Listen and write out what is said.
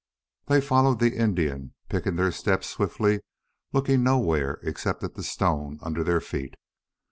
They followed the Indian, picking their steps swiftly, looking nowhere except at the stone under their feet.